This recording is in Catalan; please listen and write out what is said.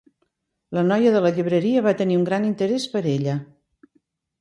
La noia de la llibreria va tenir un gran interès per ella.